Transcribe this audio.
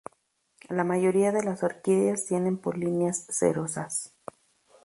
La mayoría de las orquídeas tienen polinias cerosas.